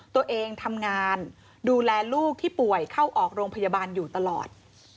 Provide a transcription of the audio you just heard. ตัวเองทำงานดูแลลูกที่ป่วยเข้าออกโรงพยาบาลอยู่ตลอด